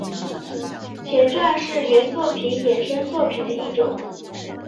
前传是原作品衍生作品的一种。